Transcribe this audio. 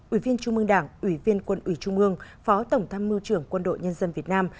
ủy viên trung mương đảng ủy viên quân ủy trung mương phó tổng tham mưu trưởng quân đội nhân dân việt nam